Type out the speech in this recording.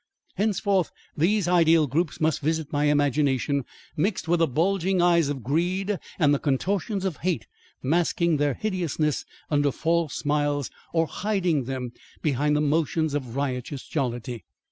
Henceforth, these ideal groups must visit my imagination mixed with the bulging eyes of greed and the contortions of hate masking their hideousness under false smiles or hiding them behind the motions of riotous jollity.